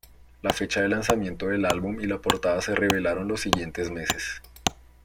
La fecha de lanzamiento del álbum y la portada se revelaron los siguientes meses.